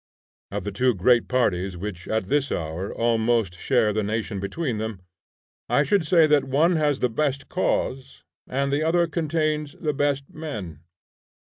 Of the two great parties which at this hour almost share the nation between them, I should say that one has the best cause, and the other contains the best men.